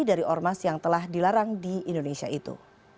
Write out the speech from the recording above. dari ormas yang telah dilarang di indonesia itu